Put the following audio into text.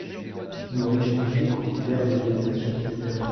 Nos réfugiés profitèrent de l'irritation populaire.